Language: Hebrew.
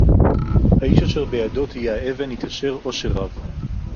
הָאִישׁ אֲשֶׁר בְּיָדוֹ תִּהְיֶה הָאֶבֶן יִתְעַשֵּׁר עשֶׁר רַב